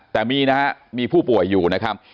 แต่มีนะฮะมีผู้ป่วยอยู่นะครับ